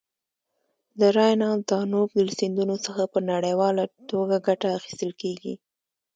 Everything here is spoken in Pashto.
د راین او دانوب له سیندونو څخه په نړیواله ټوګه ګټه اخیستل کیږي.